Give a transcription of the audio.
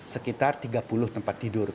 sekitar tiga puluh tempat tidur